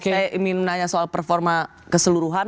saya ingin nanya soal performa keseluruhan